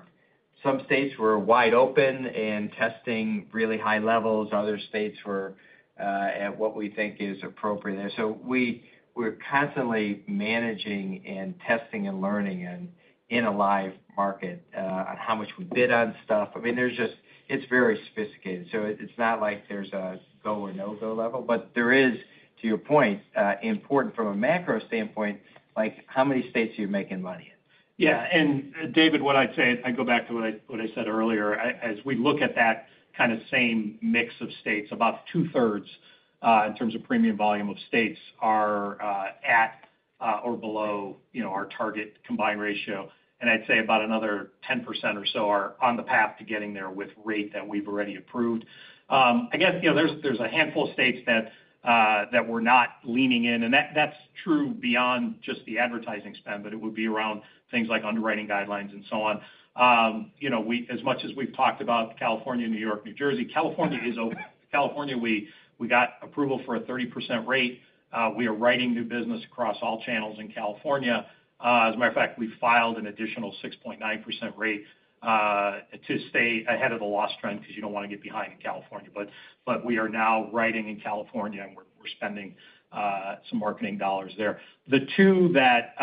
Some states were wide open and testing really high levels. Other states were at what we think is appropriate there. So we're constantly managing and testing and learning and in a live market on how much we bid on stuff. I mean, there's just it's very sophisticated, so it's not like there's a go or no-go level. But there is, to your point, important from a macro standpoint, like how many states are you making money in? Yeah, and David, what I'd say, I go back to what I said earlier. As we look at that kind of same mix of states, about 2/3 in terms of premium volume of states are at or below, you know, our target combined ratio. And I'd say about another 10% or so are on the path to getting there with rate that we've already approved. I guess, you know, there's a handful of states that we're not leaning in, and that's true beyond just the advertising spend, but it would be around things like underwriting guidelines and so on. You know, we as much as we've talked about California, New York, New Jersey, California is open. California, we got approval for a 30% rate. We are writing new business across all channels in California. As a matter of fact, we filed an additional 6.9% rate to stay ahead of the loss trend, because you don't want to get behind in California. But we are now writing in California, and we're spending some marketing dollars there. The two that,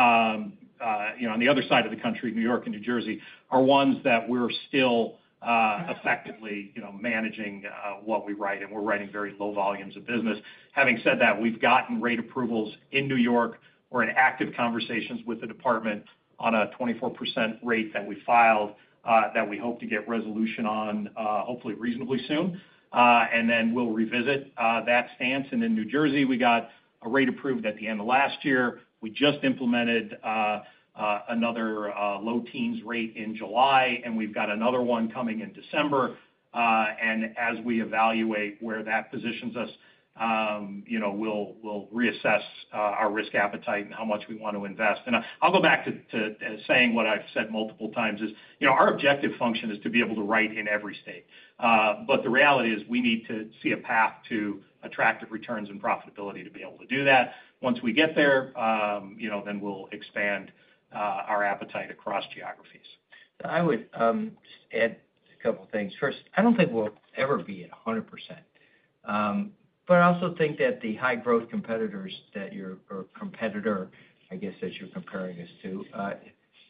you know, on the other side of the country, New York and New Jersey, are ones that we're still effectively, you know, managing what we write, and we're writing very low volumes of business. Having said that, we've gotten rate approvals in New York. We're in active conversations with the department on a 24% rate that we filed, that we hope to get resolution on, hopefully reasonably soon. And then we'll revisit that stance. And in New Jersey, we got a rate approved at the end of last year. We just implemented another low teens rate in July, and we've got another one coming in December. And as we evaluate where that positions us, you know, we'll reassess our risk appetite and how much we want to invest. And I'll go back to saying what I've said multiple times is, you know, our objective function is to be able to write in every state, but the reality is we need to see a path to attractive returns and profitability to be able to do that. Once we get there, you know, then we'll expand our appetite across geographies. I would add a couple things. First, I don't think we'll ever be at 100%. But I also think that the high growth competitors that your or competitor, I guess, that you're comparing us to,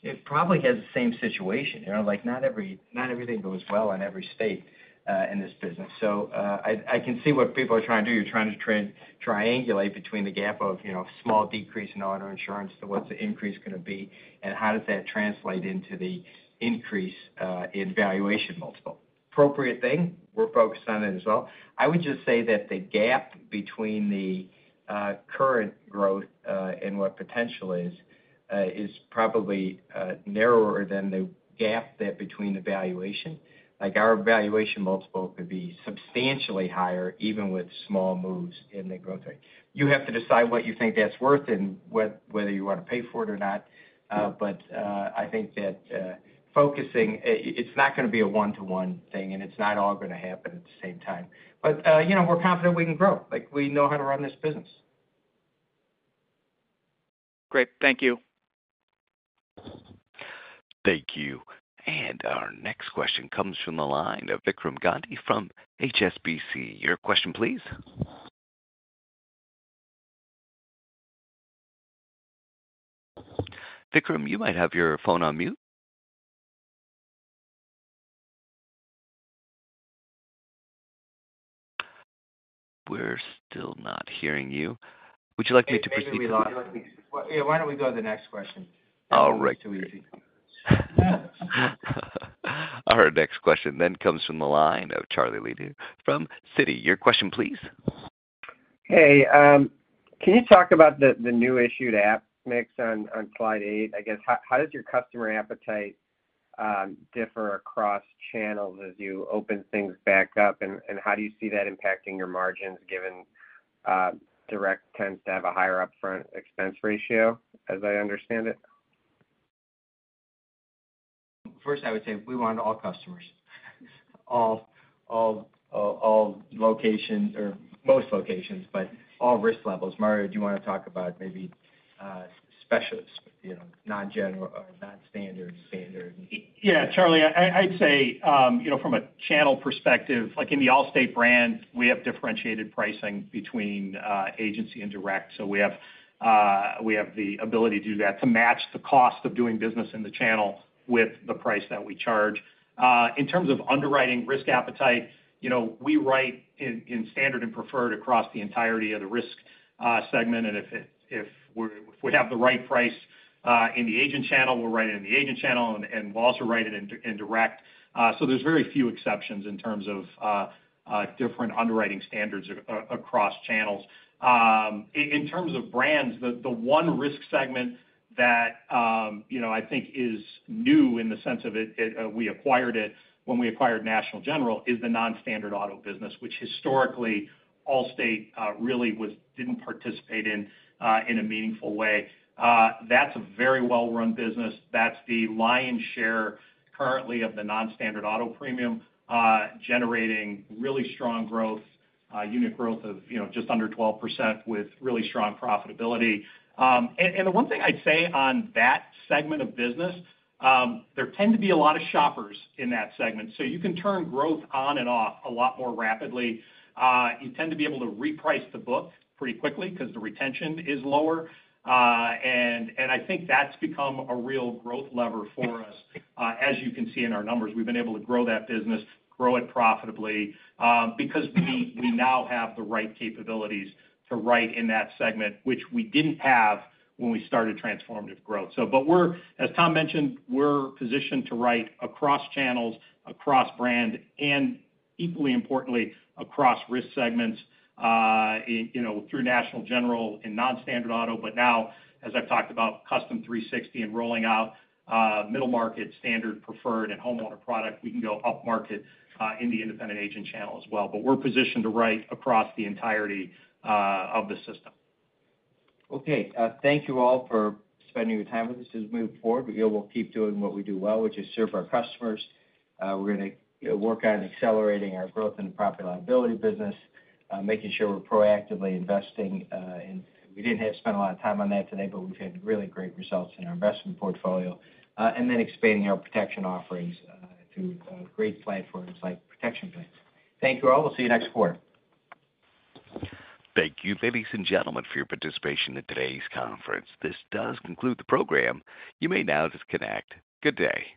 it probably has the same situation. You know, like, not everything goes well in every state in this business. So, I can see what people are trying to do. You're trying to triangulate between the gap of, you know, small decrease in auto insurance to what's the increase gonna be, and how does that translate into the increase in valuation multiple? Appropriate thing, we're focused on it as well. I would just say that the gap between the current growth and what potential is is probably narrower than the gap that between the valuation. Like, our valuation multiple could be substantially higher, even with small moves in the growth rate. You have to decide what you think that's worth and whether you want to pay for it or not. But, I think that, focusing, it's not gonna be a one-to-one thing, and it's not all gonna happen at the same time. But, you know, we're confident we can grow. Like, we know how to run this business. Great. Thank you. Thank you. And our next question comes from the line of Vikram Gandhi from HSBC. Your question, please. Vikram, you might have your phone on mute. We're still not hearing you. Would you like me to proceed? Yeah, why don't we go to the next question? All right. It's too easy. Our next question then comes from the line of Charlie Lederer from Citi. Your question, please. Hey, can you talk about the new issued app mix on slide 8? I guess, how does your customer appetite differ across channels as you open things back up, and how do you see that impacting your margins, given direct tends to have a higher upfront expense ratio, as I understand it? First, I would say we want all customers, all locations or most locations, but all risk levels. Mario, do you wanna talk about maybe, specialists, you know, non-general or non-standard, standard? Yeah, Charlie, I'd say, you know, from a channel perspective, like in the Allstate brand, we have differentiated pricing between agency and direct. So we have the ability to do that, to match the cost of doing business in the channel with the price that we charge. In terms of underwriting risk appetite, you know, we write in standard and preferred across the entirety of the risk segment. And if we have the right price in the agent channel, we'll write it in the agent channel, and we'll also write it in direct. So there's very few exceptions in terms of different underwriting standards across channels. In terms of brands, the one risk segment that you know I think is new in the sense of it we acquired it when we acquired National General is the non-standard auto business, which historically Allstate really wasn't participate in in a meaningful way. That's a very well-run business. That's the lion's share currently of the non-standard auto premium generating really strong growth unit growth of you know just under 12% with really strong profitability. And the one thing I'd say on that segment of business there tend to be a lot of shoppers in that segment, so you can turn growth on and off a lot more rapidly. You tend to be able to reprice the book pretty quickly because the retention is lower. And I think that's become a real growth lever for us. As you can see in our numbers, we've been able to grow that business, grow it profitably, because we now have the right capabilities to write in that segment, which we didn't have when we started Transformative Growth. But we're positioned to write across channels, across brand, and equally importantly, across risk segments, you know, through National General and non-standard Auto. But now, as I've talked about, Custom 360 and rolling out middle market, standard, preferred, and homeowner product, we can go upmarket in the independent agent channel as well. But we're positioned to write across the entirety of the system. Okay, thank you all for spending your time with us. As we move forward, we'll keep doing what we do well, which is serve our customers. We're gonna work on accelerating our growth in the Property and Liability business, making sure we're proactively investing, and we didn't have to spend a lot of time on that today, but we've had really great results in our investment portfolio. And then expanding our protection offerings through great platforms like Protection Plans. Thank you all. We'll see you next quarter. Thank you, ladies and gentlemen, for your participation in today's conference. This does conclude the program. You may now disconnect. Good day.